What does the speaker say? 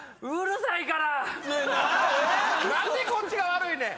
何でこっちが悪いねん！